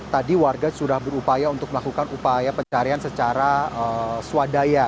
tadi warga sudah berupaya untuk melakukan upaya pencarian secara swadaya